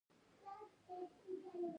د انجونو ښوونځي بايد پرانستل شي